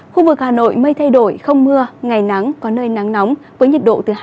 khu vực hà nội mây thay đổi không mưa ngày nắng có nơi nắng nóng với nhiệt độ từ hai mươi bảy đến ba mươi năm độ